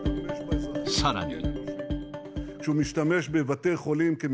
さらに。